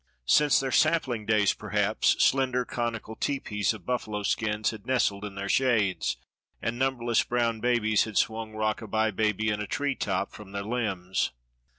Since their sapling days, perhaps, slender, conical tepees of buffalo skins had nestled in their shade, and number less brown babies had swung 'Rock a bye baby in a tree top' from their limbs.